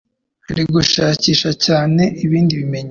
Ari gushakisha cyane ibindi bimenyetso.